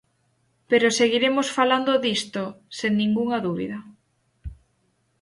Pero seguiremos falando disto, sen ningunha dúbida.